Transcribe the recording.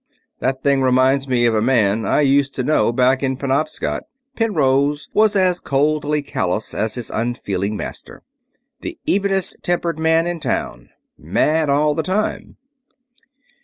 "That thing reminds me of a man I used to know, back in Penobscot." Penrose was as coldly callous as his unfeeling master. "The evenest tempered man in town mad all the time!"